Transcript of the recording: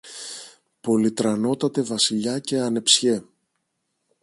«Πολυτρανότατε Βασιλιά και ανεψιέ.